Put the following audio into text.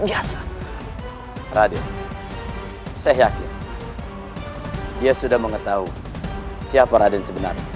baik saya ingin berhubung